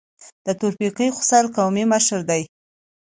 د تورپیکۍ خوسر قومي مشر دی.